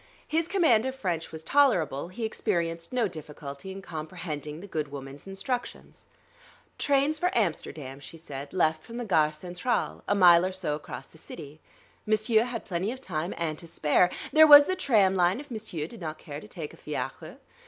His command of French was tolerable; he experienced no difficulty in comprehending the good woman's instructions. Trains for Amsterdam, she said, left from the Gare Centrale, a mile or so across the city. M'sieur had plenty of time, and to spare. There was the tram line, if m'sieur did not care to take a fiacre.